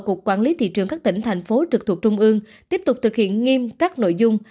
cục quản lý thị trường các tỉnh thành phố trực thuộc trung ương tiếp tục thực hiện nghiêm các nội dung